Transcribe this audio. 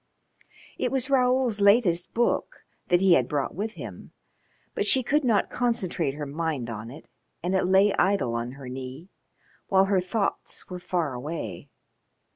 It was Raoul's latest book, that he had brought with him, but she could not concentrate her mind on it, and it lay idle on her knee while her thoughts were far away.